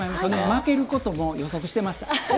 負けることも予測してました。